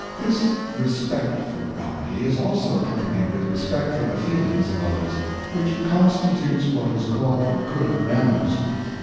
This respect for property is also accompanied with respect for the feelings of others, which constitutes what is called good manners.